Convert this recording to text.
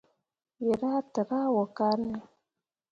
Wǝ rah tǝrah wo kane.